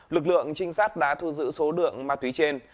lực lượng trinh sát đã thu giữ số lượng ma túy trên